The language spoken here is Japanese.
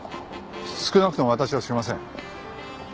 少なくとも私はしません。